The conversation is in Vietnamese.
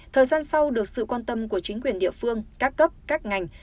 thời gian sau được sự quan tâm của chính quyền địa phương các cấp các ngành